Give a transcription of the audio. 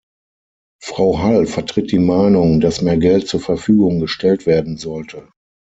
Frau Hall vertritt die Meinung, dass mehr Geld zur Verfügung gestellt werden sollte.